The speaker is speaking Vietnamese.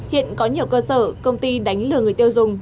hiện có nhiều cơ sở công ty đánh lừa người tiêu dùng